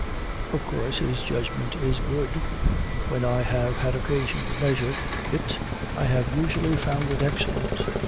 Of course his judgment is good; when I have had occasion to measure it I have usually found it excellent.